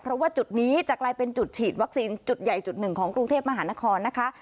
เพราะว่าจุดนี้จะกลายเป็นจุดฉีดวัคซีนจุดใหญ่จุดหนึ่งของกรุงเทพมหานครนะคะ